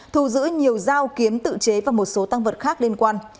thu giữ nhiều dao kiếm tự chế và một số tăng vật khác liên quan